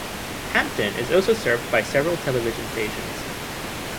Hampton is also served by several television stations.